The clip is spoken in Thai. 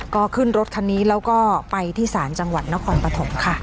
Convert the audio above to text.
ก็ขึ้นรถคันนี้แล้วก็ไปที่ศาลจังหวัดนครปฐมค่ะ